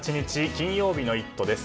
金曜日の「イット！」です。